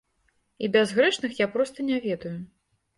І бязгрэшных я проста не ведаю.